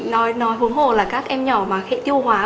nói hồn hồn là các em nhỏ mà hệ tiêu hóa